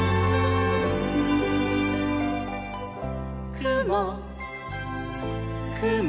「くもくも」